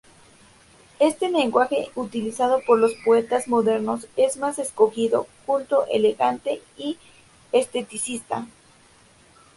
Este lenguaje utilizado por los poetas modernos es más escogido, culto, elegante y esteticista.